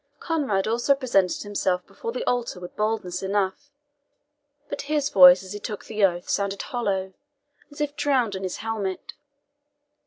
Conrade also presented himself before the altar with boldness enough; but his voice as he took the oath sounded hollow, as if drowned in his helmet.